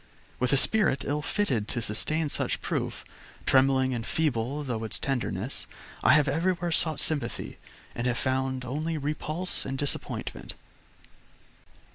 With a spirit ill fitted to sustain such proof, trembling and feeble through its tenderness, I have everywhere sought sympathy and have found only repulse and disappointment.